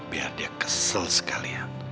biar dia kesel sekalian